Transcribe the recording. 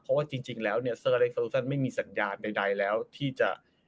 เพราะว่าจริงแล้วเนี่ยเซอร์เล็กซาลูซันไม่มีสัญญาณใดแล้วที่จะ